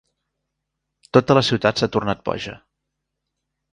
Tota la ciutat s'ha tornat boja.